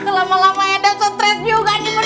selama lama eda stress juga nih bener bener